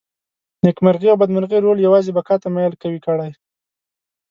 نېکمرغي او بدمرغي رول یوازې بقا ته میل قوي کړي.